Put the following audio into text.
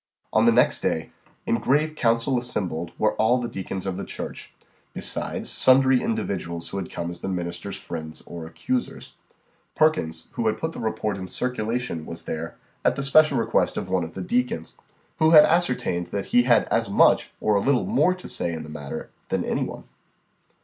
On the next day, in grave council assembled were all the deacons of the church, besides sundry individuals who had come as the minister's friends or accusers. Perkins, who had put the report in circulation, was there, at the special request of one of the deacons, who had ascertained that he had as much, or a little more to say, in the matter, than any one.